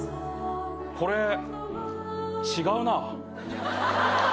これ違うな。